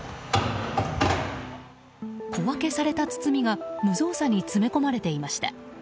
小分けされた包みが無造作に詰め込まれていました。